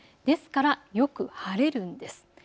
ですからよく晴れるんです。